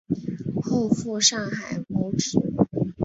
后赴上海谋职。